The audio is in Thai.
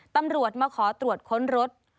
ตำรวจมาขอตรวจค้นรถ